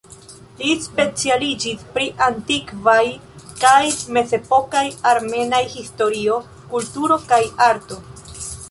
Li specialiĝis pri antikvaj kaj mezepokaj armenaj historio, kulturo kaj arto.